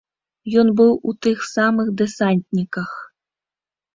Ён быў у тых самых дэсантніках.